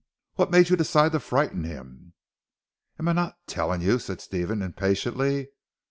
"What made you decide to frighten him?" "Am I not telling you!" said Stephen impatiently.